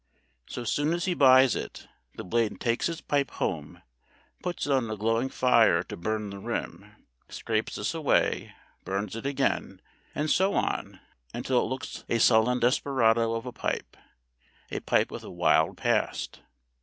So soon as he buys it, the Blade takes his pipe home, puts it on a glowing fire to burn the rim, scrapes this away, burns it again, and so on until it looks a sullen desperado of a pipe a pipe with a wild past.